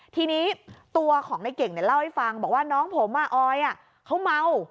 ทีนี้ตัวของในเก่งเล่าให้ฟังบอกว่าน้องผมออยเขาเมา